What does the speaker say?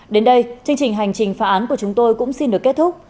đến đây chương trình hành trình phá án của chúng tôi cũng xin được kết thúc